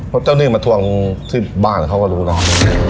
เพราะเจ้าหนี้มาทวงที่บ้านเขาก็รู้เนอะ